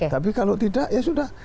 tapi kalau tidak ya sudah